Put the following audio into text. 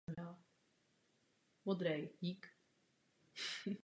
Za první světové války byl nucen narukovat a bojoval na italské frontě.